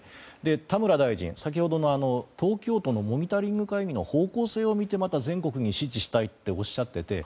田村大臣、先ほどの東京都のモニタリング会議の方向性を見てまた全国に指示したいっておっしゃっていて。